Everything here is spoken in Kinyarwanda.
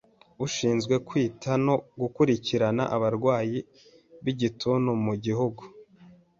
ushinzwe kwita no gukurikirana abarwayi b’igituntu mu gihugu